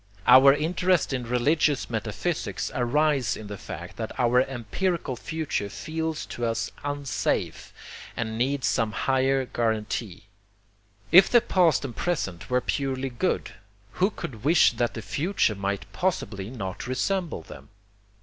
Our interest in religious metaphysics arises in the fact that our empirical future feels to us unsafe, and needs some higher guarantee. If the past and present were purely good, who could wish that the future might possibly not resemble them?